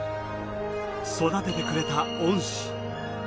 育ててくれた恩師。